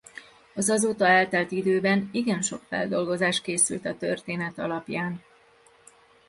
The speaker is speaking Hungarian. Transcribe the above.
Az azóta eltelt időben igen sok feldolgozás készült a történet alapján.